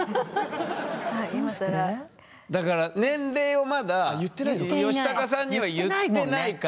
だから年齢をまだヨシタカさんには言ってないから。